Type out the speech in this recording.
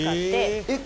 「えっ！